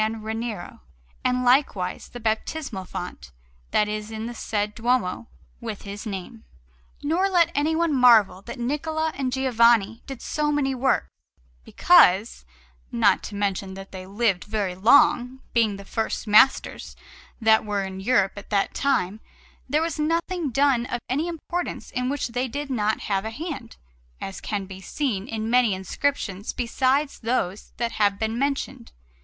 Ranieri, and likewise the baptismal font that is in the said Duomo, with his name. Nor let anyone marvel that Niccola and Giovanni did so many works, because, not to mention that they lived very long, being the first masters that were in Europe at that time, there was nothing done of any importance in which they did not have a hand, as can be seen in many inscriptions besides those that have been mentioned.